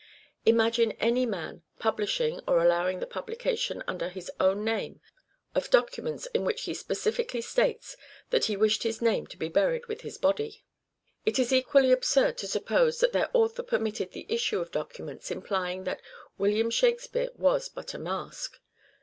Imagine any man pub lishing, or allowing the publication under his own name, of documents in which he specifically states that he wished his name to be buried with his body ! It is equally absurd to suppose that their author permitted the issue of documents implying that William Shak spere was but a mask.